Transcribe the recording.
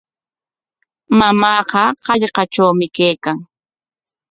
Mamaaqa hallqatrawmi kaykan.